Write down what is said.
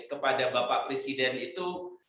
kepada bapak presiden itu